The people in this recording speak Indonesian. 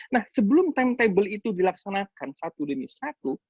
nah sebelum timetable itu dilaksanakan satu demi satu